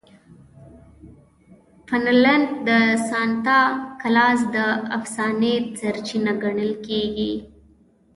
فنلنډ د سانتا کلاز د افسانې سرچینه ګڼل کیږي.